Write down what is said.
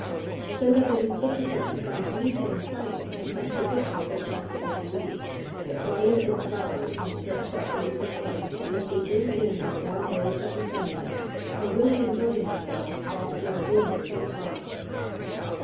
So that it is difficult to find anything in science to contradict the comfortable belief that wide open flowers and stretched out leaves of plants as they drink in the warm rays of the sunlight are really enjoying themselves, whilst they are doing their day's work.